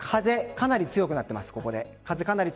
かなり強くなっています。